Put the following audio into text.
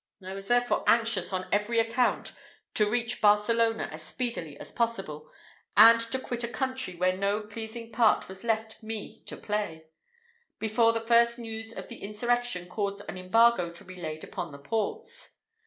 I was therefore anxious on every account to reach Barcelona as speedily as possible, and to quit a country where no pleasing part was left me to play, before the first news of the insurrection caused an embargo to be laid upon the ports.